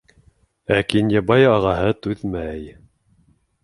Ә Кинйәбай ағаһы түҙмәй: